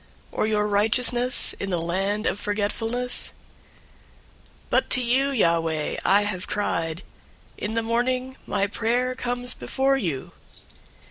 Or your righteousness in the land of forgetfulness? 088:013 But to you, Yahweh, I have cried. In the morning, my prayer comes before you.